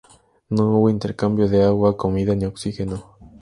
No hubo intercambio de agua, comida ni oxígeno.